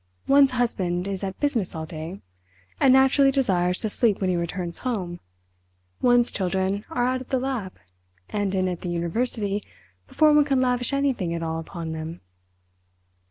One's husband is at business all day, and naturally desires to sleep when he returns home—one's children are out of the lap and in at the university before one can lavish anything at all upon them!"